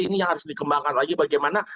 ini yang harus dikembangkan lagi bagaimana